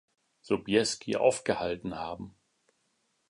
Sobieski aufgehalten haben.